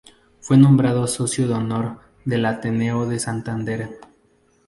Fue nombrado Socio de Honor del Ateneo de Santander.